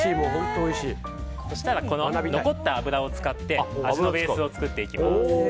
そしたらこの残った油を使って味のベースを作っていきます。